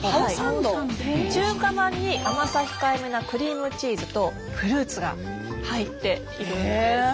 中華まんに甘さ控えめなクリームチーズとフルーツが入っているんです。